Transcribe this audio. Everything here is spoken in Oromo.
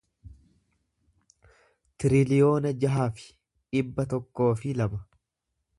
tiriliyoona jaha fi dhibba tokkoo fi lama